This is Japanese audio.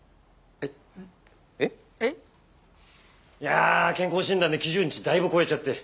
えっ？いや健康診断で基準値だいぶ超えちゃって。